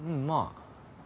まあ。